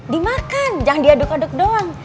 dimakan jangan diaduk aduk doang